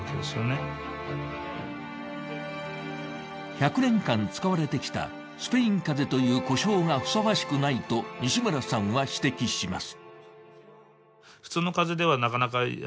１００年間使われてきたスペイン風邪という呼称がふさわしくないと西村さんは指摘します。